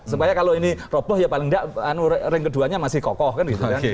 supaya kalau ini roboh ya paling tidak ring keduanya masih kokoh kan gitu kan